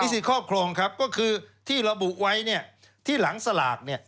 มีสิทธิ์ครอบครองครับก็คือที่เราบุไว้เนี่ยที่หลังสลากเนี่ย